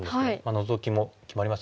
ノゾキも決まりますよね。